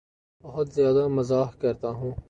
بہت زیادہ مزاح کرتا ہوں